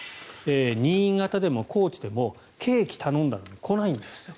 新潟でも高知でもケーキを頼んだのに来ないんです。